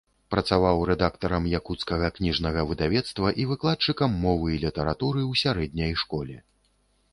Працаваў рэдактарам якуцкага кніжнага выдавецтва і выкладчыкам мовы і літаратуры ў сярэдняй школе.